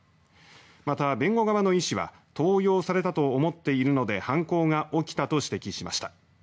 また、弁護側の医師は盗用されたと思っているので犯行が起きたと指摘しました。